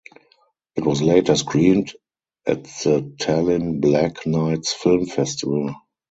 It was later screened at the Tallinn Black Nights Film Festival.